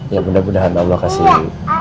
ya mudah mudahan allah kasih